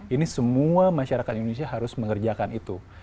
ini semua masyarakat indonesia harus mengerjakan itu